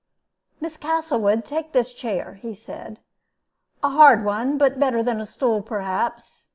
"Miss Castlewood, take this chair," he said; "a hard one, but better than a stool, perhaps.